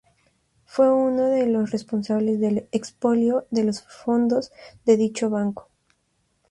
Fue uno de los responsables del expolio de los fondos de dicho Banco.